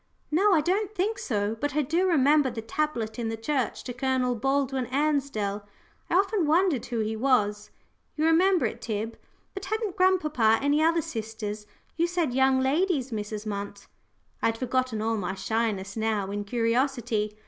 "No, I don't think so. But I do remember the tablet in the church to Colonel Baldwin Ansdell. I often wondered who he was. You remember it, Tib? But hadn't grandpapa any other sisters? You said young ladies, Mrs. Munt." I had forgotten all my shyness now in curiosity.